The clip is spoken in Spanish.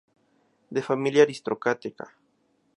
De familia aristocrática.